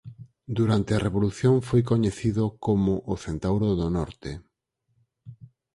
Durante a revolución foi coñecido como ""O Centauro do Norte"".